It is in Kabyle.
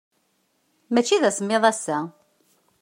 Mačči d asemmiḍ ass-a.